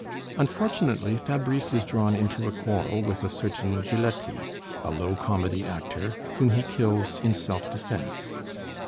Unfortunately Fabrice is drawn into a quarrel with a certain Giletti, a low comedy actor, whom he kills in self defense.